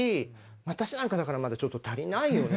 私なんかだからまだちょっと足りないよね